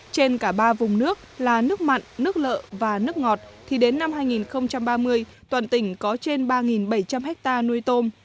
trên cả ba vùng nước là nước mặn nước lợ và nước ngọt thì đến năm hai nghìn ba mươi toàn tỉnh có trên ba bảy trăm linh hectare nuôi tôm